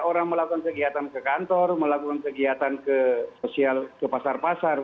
orang melakukan kegiatan ke kantor melakukan kegiatan ke sosial ke pasar pasar